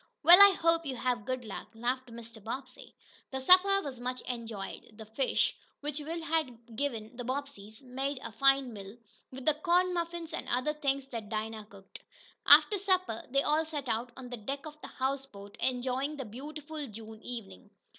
"Well, I hope you have good luck," laughed Mr. Bobbsey. The supper was much enjoyed. The fish, which Will had given the Bobbseys, made a fine meal, with the corn muffins and other things Dinah cooked. After supper they all sat out on the deck of the houseboat, enjoying the beautiful June evening.